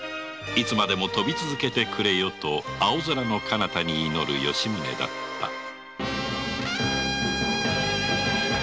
いつまでも飛び続けてくれよと青空のかなたに祈る吉宗だった